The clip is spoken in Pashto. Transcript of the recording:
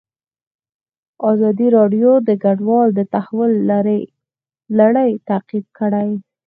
ازادي راډیو د کډوال د تحول لړۍ تعقیب کړې.